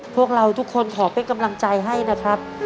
พวกเราทุกคนขอเป็นกำลังใจให้นะครับ